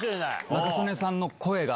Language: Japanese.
仲宗根さんの声が。